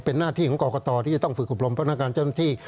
เป็นหน้าที่ของกรกตที่จะต้องฝึกอบรมพนักงานเจ้าหน้าที่